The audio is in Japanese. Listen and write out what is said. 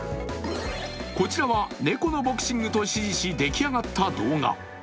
こちらはネコのボクシングと指示し出来上がった動画。